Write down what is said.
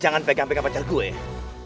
jangan pegang pegang pacar gue